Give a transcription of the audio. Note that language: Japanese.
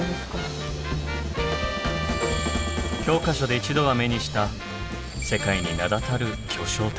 教科書で一度は目にした世界に名だたる巨匠たち。